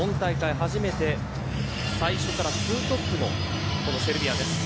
初めて最初から２トップのこのセルビアです。